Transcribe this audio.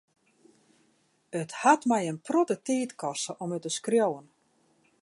It hat my in protte tiid koste om it te skriuwen.